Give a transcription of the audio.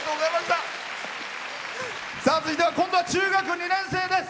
続いては今度は中学２年生です。